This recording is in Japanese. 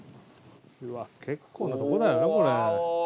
結構なとこだよなこれ。